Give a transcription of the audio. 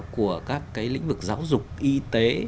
của các cái lĩnh vực giáo dục y tế